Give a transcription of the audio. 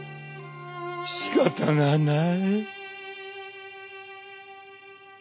しかたがない」。